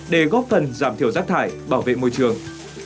để góp phần giảm thiểu rác thải bảo vệ môi trường